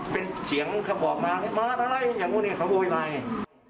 เป็นเสียงเขาบอกมามาตาไล่อย่างโน้นเนี่ยเขาบอกมาเนี่ย